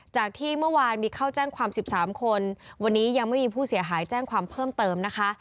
จากที่เมื่อวานมีเข้าแจ้งความ๑๓คนวันนี้ยังไม่มีผู้เสียหายแจ้งความเพิ่มเติมนะคะ